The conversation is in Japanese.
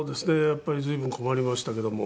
やっぱり随分困りましたけども。